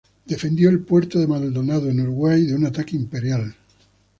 Defendió el puerto de Maldonado en Uruguay de un ataque imperial.